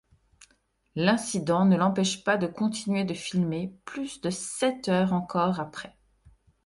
L'incident ne l'empêche pas de continuer de filmer plus de sept heures encore après.